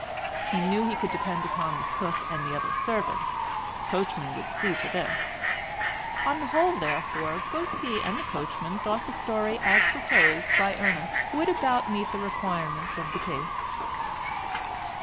He knew he could depend upon the cook and the other servants—the coachman would see to this; on the whole, therefore, both he and the coachman thought the story as proposed by Ernest would about meet the requirements of the case.